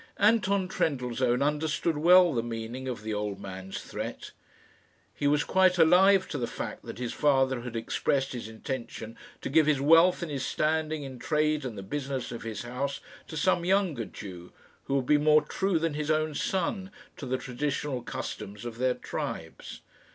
Anton Trendellsohn understood well the meaning of the old man's threat. He was quite alive to the fact that his father had expressed his intention to give his wealth and his standing in trade and the business of his house to some younger Jew, who would be more true than his own son to the traditional customs of their tribes.